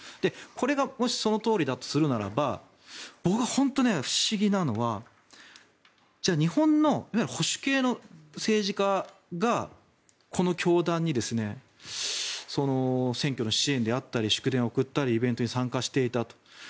これがもしそのとおりだとするならば僕が本当に不思議なのはじゃあ、日本の保守系の政治家がこの教団に選挙の支援であったり祝電を送ったりイベントに参加していたと。